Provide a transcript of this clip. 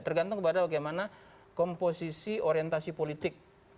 tergantung kepada bagaimana komposisi orientasi politik